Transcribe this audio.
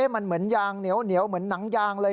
มันเหมือนยางเหนียวเหมือนหนังยางเลย